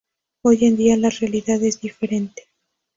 Hoy en día la realidad es diferente.